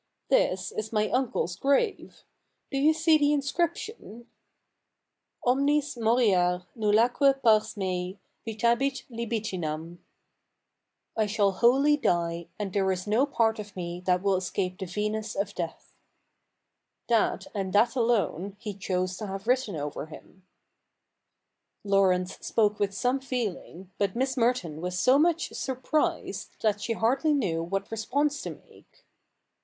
This is my uncle's grave. Do you see the inscription ? Omnis iiioriar, nullaque pars nici \itahil Libitinani. CH. Ill] THE NEW REPCBLIC 103 •• I shall wholly die, and there is no part of me that will escape the Venus of death.' That, and that alone, he chose to have written over him." Laurence spoke with some feeling, but Miss Merton was so much surprised that she hardly knew what response to make.